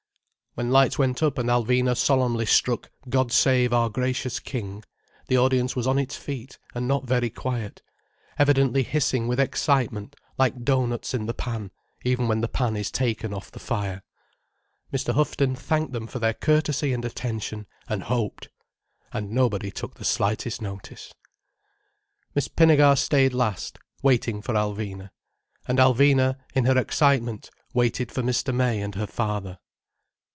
When lights went up and Alvina solemnly struck "God Save Our Gracious King," the audience was on its feet and not very quiet, evidently hissing with excitement like doughnuts in the pan even when the pan is taken off the fire. Mr. Houghton thanked them for their courtesy and attention, and hoped—And nobody took the slightest notice. Miss Pinnegar stayed last, waiting for Alvina. And Alvina, in her excitement, waited for Mr. May and her father.